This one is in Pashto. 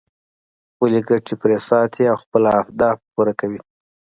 خپلې ګټې پرې ساتي او خپل اهداف پوره کوي.